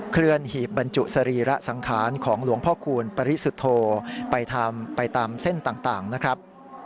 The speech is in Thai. เคลื่อนหีบบรรจุสรีระสังคารของหลวงพ่อคุณปริศุโธไปตามเส้นต่างนะครับ